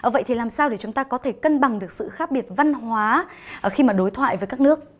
vậy thì làm sao để chúng ta có thể cân bằng được sự khác biệt văn hóa khi mà đối thoại với các nước